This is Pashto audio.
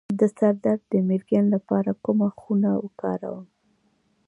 د سر درد د میګرین لپاره کومه خونه وکاروم؟